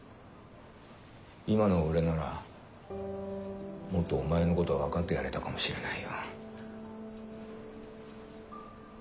今の俺ならもっとお前のこと分かってやれたかもしれないよな。